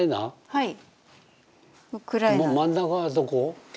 はい。